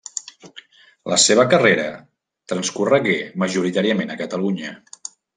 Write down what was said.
La seva carrera transcorregué majoritàriament a Catalunya.